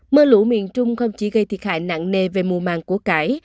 mưa lũ miền trung không chỉ gây thiệt hại nặng nề về mùa màng của cải